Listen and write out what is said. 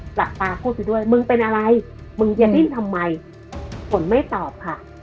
จัดปลาควบคุมด้วยมึงเป็นอะไรมึงเย็นที่ทำไมฝนไม่ตอบค่ะ